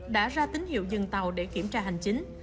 đã ra tín hiệu dừng tàu để kiểm tra hành chính